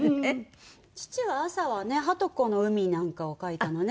父は朝はね『鳩子の海』なんかを書いたのね。